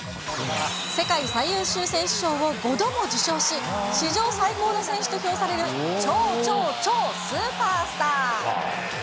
世界最優秀選手賞を５度も受賞し、史上最高の選手と評される超超超スーパースター。